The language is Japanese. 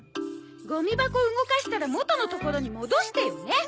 ゴミ箱動かしたら元の所に戻してよね！